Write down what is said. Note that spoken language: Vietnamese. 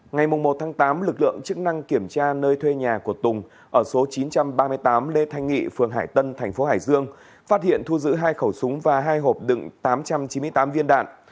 ngày một tám lực lượng chức năng kiểm tra nơi thuê nhà của tùng ở số chín trăm ba mươi tám lê thanh nghị phường hải tân thành phố hải dương phát hiện thu giữ hai khẩu súng và hai hộp đựng tám trăm chín mươi tám viên đạn